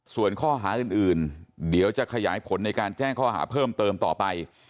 ส่วนข้อหาอื่นเดี๋ยวจะขยายผลในการแจ้งข้อหาเพิ่มเติมต่อไป